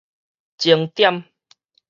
鐘點